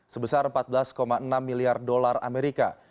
sebesar empat belas enam miliar dolar amerika